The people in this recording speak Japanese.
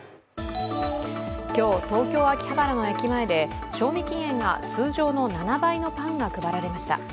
今日、東京・秋葉原の駅前で賞味期限が通常の７倍のパンが配られました。